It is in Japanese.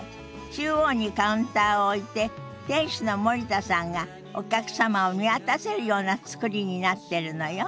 中央にカウンターを置いて店主の森田さんがお客様を見渡せるような造りになってるのよ。